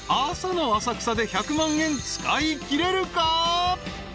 朝の浅草で１００万円使いきれるか？］